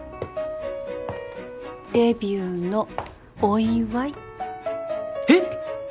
デビューのお祝いえっ！？